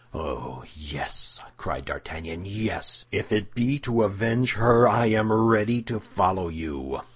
"Oh, yes!" cried D'Artagnan, "yes! If it be to avenge her, I am ready to follow you."